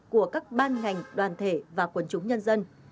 của các ban ngành đoàn thể và quần chúng nhân dân